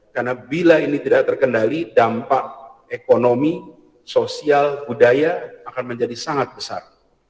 karena bila ini tidak terkendali dampak ekonomi sosial budaya akan menjadi sangat besar